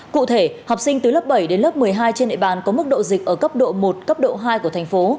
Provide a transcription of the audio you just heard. cụ thể học sinh từ lớp bảy đến lớp một mươi hai trên địa bàn có mức độ dịch ở cấp độ một cấp độ hai của thành phố